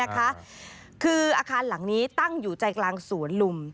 คืออาคารหลังนี้ตั้งอยู่ใจกลางสวนลุม